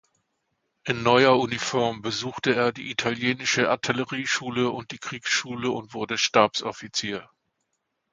In neuer Uniform besuchte er die italienische Artillerieschule und die Kriegsschule und wurde Stabsoffizier.